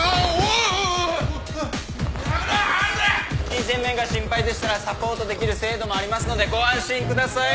金銭面が心配でしたらサポートできる制度もありますのでご安心ください。